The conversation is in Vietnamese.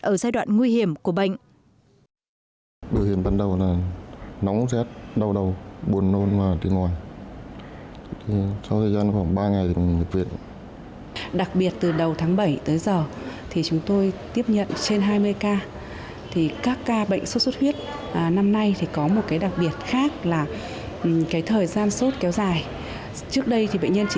ở giai đoạn nguy hiểm của bệnh